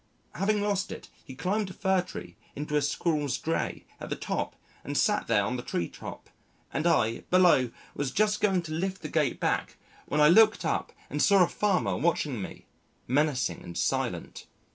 Having lost it, he climbed a fir tree into a Squirrel's drey at the top and sat there on the tree top, and I, below, was just going to lift the gate back when I looked up and saw a farmer watching me, menacing and silent.